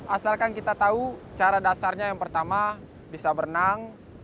asalkan kita tahu cara dasarnya yang pertama bisa berenang